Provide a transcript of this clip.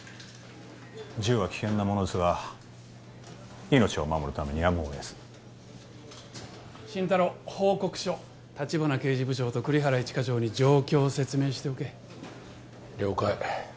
銃は危険なものですが命を守るためにやむをえず心太朗報告書立花刑事部長と栗原一課長に状況を説明しておけ了解